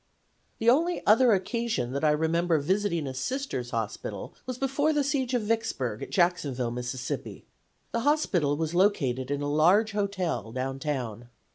"The only other occasion that I remember visiting a Sisters' hospital was before the siege of Vicksburg, at Jacksonville, Miss. The hospital was located in a large hotel, downtown.